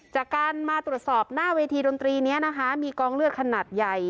จากการมาตรวจสอบหน้าเวทีดนตรีนี้นะคะมีกองเลือดขนาดใหญ่